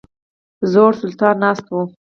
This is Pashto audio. زوړ سلطان ناست وو.